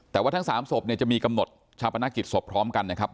แต่ว่าทั้ง๓ศพเนี่ยจะมีกำหนดชาปนกิจศพพร้อมกันนะครับ